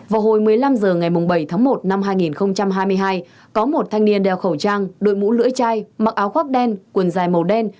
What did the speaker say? vào hồi một mươi năm h ngày bảy tháng một năm hai nghìn hai mươi hai có một thanh niên đeo khẩu trang đội mũ lưỡi chai mặc áo khoác đen quần dài màu đen